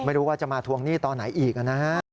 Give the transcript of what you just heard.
ไม่รู้ว่าจะมาทวงหนี้ตอนไหนอีกนะฮะ